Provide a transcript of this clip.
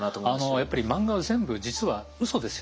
やっぱり漫画は全部実はうそですよね。